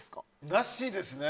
なしですね。